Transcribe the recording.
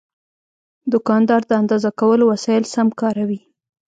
دوکاندار د اندازه کولو وسایل سم کاروي.